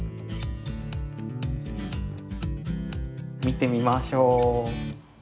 見てみましょう。